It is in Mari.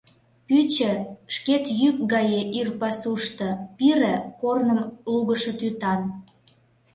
Пӱчӧ — шкет йӱк гае ир пасушто, пире — корным лугышо тӱтан…